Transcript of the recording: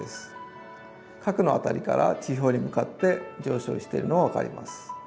核の辺りから地表に向かって上昇しているのが分かります。